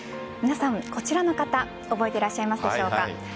皆さん、こちらの方覚えていらっしゃるでしょうか。